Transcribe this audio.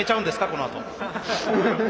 このあと。